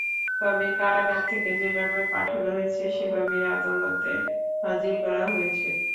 তবে কারাগার থেকে যেভাবে পাঠানো হয়েছে, সেভাবেই আদালতে হাজির করা হয়েছে।